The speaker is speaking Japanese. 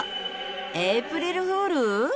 エープリルフール？